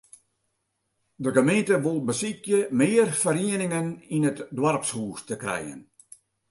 De gemeente wol besykje mear ferieningen yn it doarpshûs te krijen.